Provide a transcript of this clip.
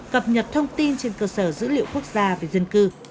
cập nhật thông tin trên cơ sở dữ liệu quốc gia về dân cư